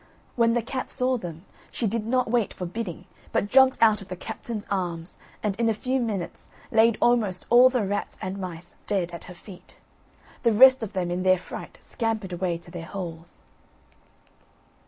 When the cat saw them, she did not wait for bidding, but jumped out of the captain's arms, and in a few minutes laid almost all the rats and mice dead at her feet. The rest of them in their fright scampered away to their holes.